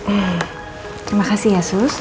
eh terima kasih ya sus